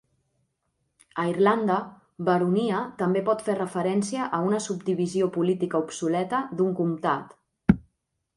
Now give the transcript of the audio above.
A Irlanda, "baronia" també pot fer referència a una subdivisió política obsoleta d'un comtat.